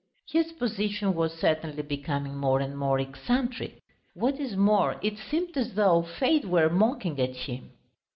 His position was certainly becoming more and more eccentric. What is more, it seemed as though fate were mocking at him.